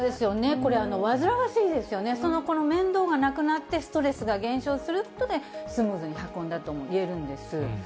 これ、煩わしいですよね、その面倒がなくなって、ストレスが減少することで、スムーズに運んだともいえるんです。